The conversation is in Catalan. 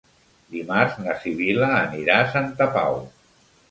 Dimarts na Sibil·la anirà a Santa Pau.